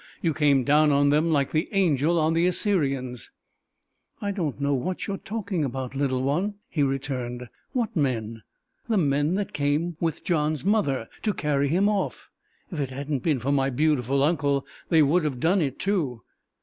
You came down on them like the angel on the Assyrians!" "I don't know what you're talking about, little one!" he returned. "What men?" "The men that came with John's mother to carry him off. If it hadn't been for my beautiful uncle, they would have done it too!